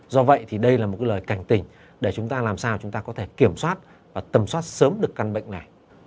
do vậy thì đây là một cái lời cảnh tỉnh để chúng ta làm sao chúng ta có thể kiểm soát và tầm soát sớm được căn bệnh này